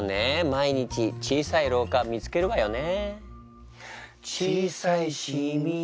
毎日小さい老化見つけるわよね。